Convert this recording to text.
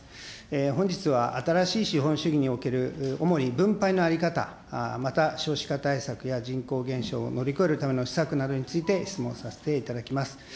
本日は新しい資本主義における主に分配の在り方、また、少子化対策や人口減少を乗り越えるための施策などについて質問させていただきます。